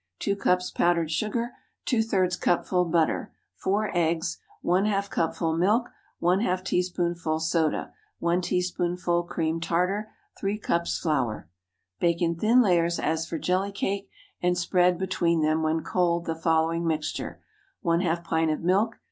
✠ 2 cups powdered sugar. ⅔ cupful butter. 4 eggs. ½ cupful milk. ½ teaspoonful soda. 1 teaspoonful cream tartar. 3 cups flour. Bake in thin layers as for jelly cake, and spread between them, when cold, the following mixture:— ½ pint of milk.